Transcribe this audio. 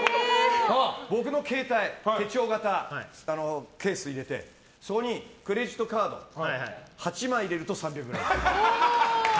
僕の携帯、手帳型ケースに入れてそこにクレジットカード８枚入れると３００ｇでした。